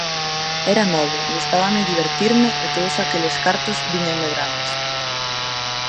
Era novo, gustábame divertirme, e todos aqueles cartos víñanme grandes.